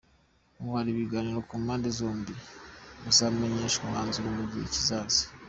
Ubu hari ibiganiro ku mpande zombi, muzamenyeshwa umwanzuro mu gihe kizaza.